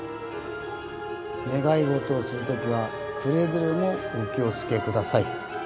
願い事をするときはくれぐれもお気を付けください。